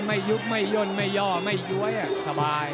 ยุบไม่ย่นไม่ย่อไม่ย้วยสบาย